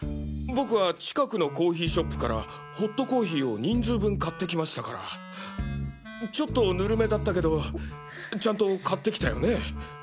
僕は近くのコーヒーショップからホットコーヒーを人数分買って来ましたから。ちょっとぬるめだったけどちゃんと買ってきたよね？